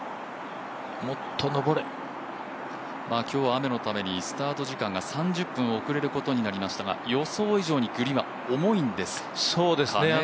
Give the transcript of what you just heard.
今日は雨のため、スタート時間が３０分遅れることになりましたが予想以上にグリーンは重いんですかね。